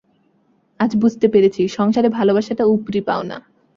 আজ বুঝতে পেরেছি সংসারে ভালোবাসাটা উপরি-পাওনা।